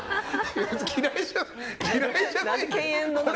嫌いじゃないけど。